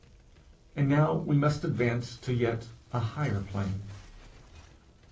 And now we must advance to a yet higher plane.